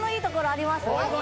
あります。